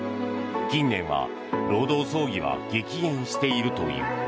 近年は労働争議は激減しているという。